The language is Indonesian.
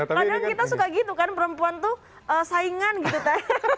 kadang kita suka gitu kan perempuan tuh saingan gitu